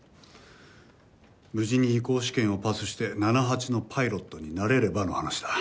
無事に移行試験をパスしてナナハチのパイロットになれればの話だ。